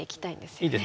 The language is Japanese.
いいですね。